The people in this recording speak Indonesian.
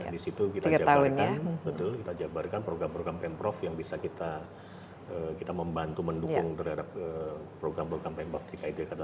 di situ kita jabarkan program program pemprov yang bisa kita membantu mendukung program program pemprov dki jakarta